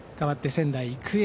仙台育英